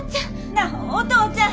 なあお父ちゃん！